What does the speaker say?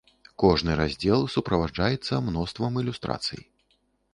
Кожны раздзел суправаджаецца мноствам ілюстрацый.